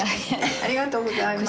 ありがとうございます。